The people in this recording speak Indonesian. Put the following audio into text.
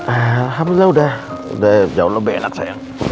alhamdulillah udah jauh lebih enak sayang